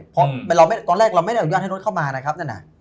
เพราะตอนแรกเราไม่ได้อนุญาตให้รถเข้ามานะครับนั่นน่ะ